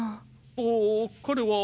ああ彼は。